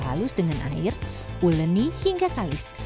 halus dengan air uleni hingga kalis